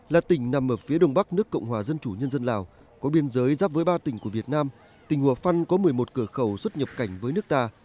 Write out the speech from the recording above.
là tỉnh nằm ở phía đông bắc nước cộng hòa dân chủ nhân dân lào có biên giới giáp với ba tỉnh của việt nam tỉnh hùa phân có một mươi một cửa khẩu xuất nhập cảnh với nước ta